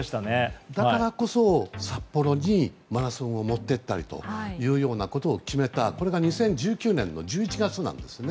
だからこそ、札幌にマラソンを持っていったりというようなことを決めたのが２０１９年１１月なんですね。